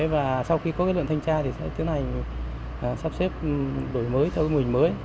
và sau khi có cái lượng thanh tra thì sẽ tiến hành sắp xếp đổi mới cho mô hình mới